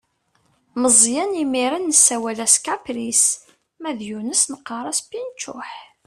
Meẓyan imir-n nessawal-as kapris, ma yusef neqqaṛ-as pinčuḥ.